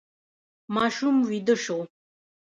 ماشوم ویده شو.